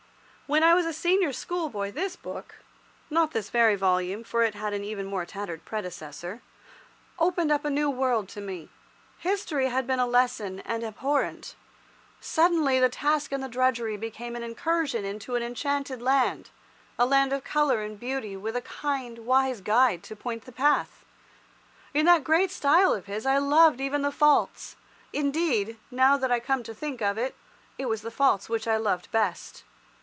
When I was a senior schoolboy this book—not this very volume, for it had an even more tattered predecessor—opened up a new world to me. History had been a lesson and abhorrent. Suddenly the task and the drudgery became an incursion into an enchanted land, a land of colour and beauty, with a kind, wise guide to point the path. In that great style of his I loved even the faults—indeed, now that I come to think of it, it was the faults which I loved best.